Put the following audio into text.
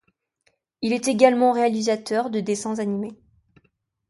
Il est également réalisateur de dessins animés.